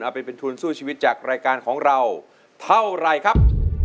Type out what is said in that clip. ไปเป็นทุนสู้ชีวิตจากรายการของเราเท่าไรครับ